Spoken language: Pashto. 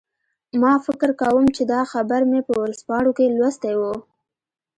ما فکر کوم چې دا خبر مې په ورځپاڼو کې لوستی و